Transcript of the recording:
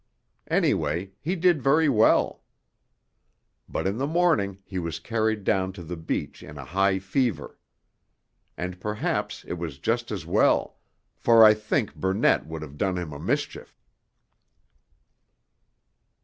Anyhow he did very well. But in the morning he was carried down to the beach in a high fever. And perhaps it was just as well, for I think Burnett would have done him a mischief.